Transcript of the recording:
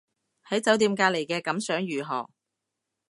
喺酒店隔離嘅感想如何